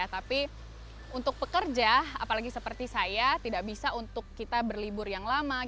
tapi untuk pekerja apalagi seperti saya tidak bisa untuk kita berlibur yang lama